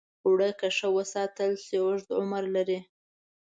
اوړه که ښه وساتل شي، اوږد عمر لري